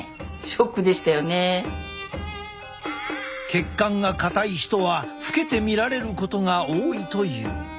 血管が硬い人は老けて見られることが多いという。